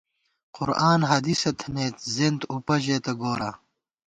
قرآن حدیثہ تھنَئیت، زینت اُوپہ ژېتہ گوراں